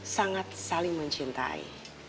sangat saling mencintai